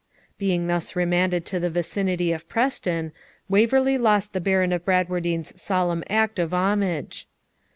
Being thus remanded to the vicinity of Preston, Waverley lost the Baron of Bradwardine's solemn act of homage.